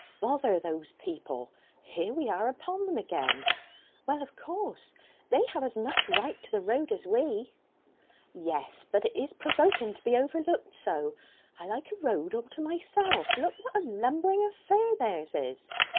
"Bother those people! Here we are upon them again." "Well, of course. They have as much right to the road as we." "Yes, but it is provoking to be overlooked so. I like a road all to myself. Look what a lumbering affair theirs is!"